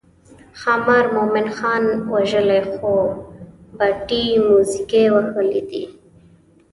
ښامار مومن خان وژلی خو باټې موزیګي وهلي دي.